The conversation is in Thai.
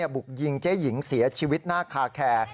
บุกยิงเจ๊หญิงเสียชีวิตหน้าคาแคร์